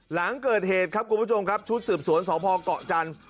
หลังเกิดเหตุครับคุณผู้ชมครับชุดสืบสวนสพเกาะจันทร์